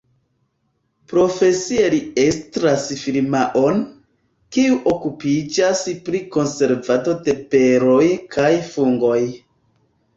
Profesie li estras firmaon, kiu okupiĝas pri konservado de beroj kaj fungoj.